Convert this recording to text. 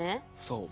そう。